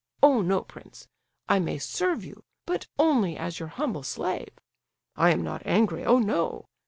Oh no, prince; I may serve you, but only as your humble slave! I am not angry, oh no!